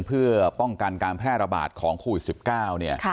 เพื่อป้องกันการแพร่ระบาดของโควิด๑๙เนี่ย